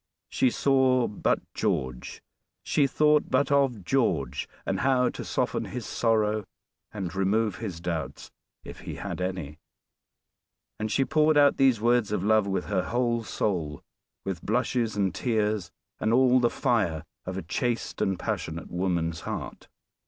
She saw but George she thought but of George and how to soften his sorrow, and remove his doubts, if he had any. And she poured out these words of love with her whole soul with blushes and tears and all the fire of a chaste and passionate woman's heart.